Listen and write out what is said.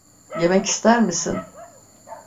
Yemek ister misin?